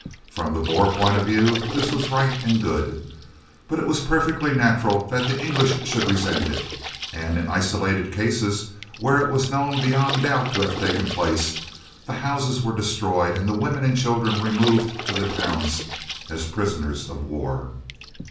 From the Boer point of view this was right and good, but it was perfectly natural that the English should resent it, and, in isolated cases, where it was known beyond doubt to have taken place, the houses were destroyed, and the women and children removed to the towns as prisoners of war.